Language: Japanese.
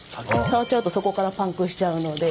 触っちゃうとそこからパンクしちゃうので。